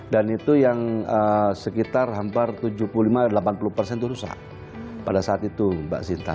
dan itu yang sekitar hampir tujuh puluh lima delapan puluh itu rusak pada saat itu mbak sinta